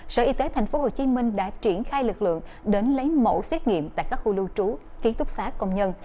sở y tế thành phố hồ chí minh đã triển khai lực lượng đến lấy mẫu xét nghiệm tại các khu lưu trú ký túc xá công nhân